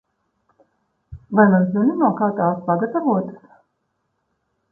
Vai maz zini, no kā tās pagatavotas?